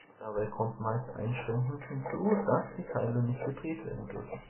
Dabei kommt meist einschränkend hinzu, dass die Teile nicht gedreht werden dürfen.